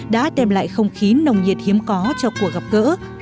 đã đem lại không khí nồng nhiệt hiếm có cho cuộc gặp gỡ